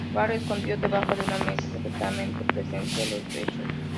Bart, escondido debajo de una mesa, secretamente presencia los hechos.